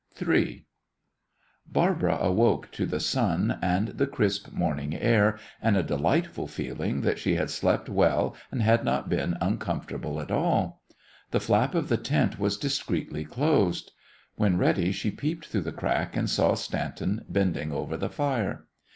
III Barbara awoke to the sun and the crisp morning air and a delightful feeling that she had slept well and had not been uncomfortable at all. The flap of the tent was discreetly closed. When ready she peeped through the crack and saw Stanton bending over the fire.